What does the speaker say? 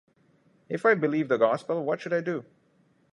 If I believe the gospel, what should I do?